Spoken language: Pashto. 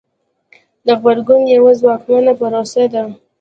د غبرګون یوه ځواکمنه پروسه ده.